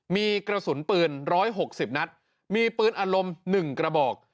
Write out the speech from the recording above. มีกระสุนปืน๑๖๐นัดมีปืนอารมณ์๑กระบอก